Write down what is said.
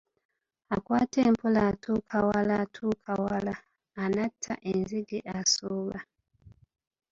Akwata empola atuuka wala atuuka wala, anatta enzige asooba.